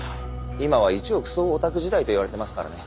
今は１億総オタク時代といわれてますからね。